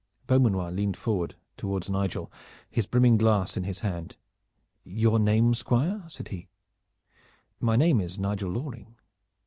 Beaumanoir leaned forward toward Nigel, his brimming glass in his hand. "Your name, squire?" said he. "My name is Nigel Loring."